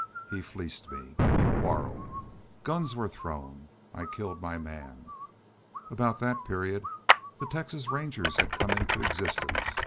He fleeced me. We quarreled. Guns were thrown. I killed my man.... Aboot that period the Texas Rangers had come into existence....